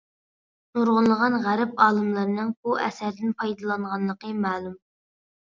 نۇرغۇنلىغان غەرب ئالىملىرىنىڭ بۇ ئەسەردىن پايدىلانغانلىقى مەلۇم.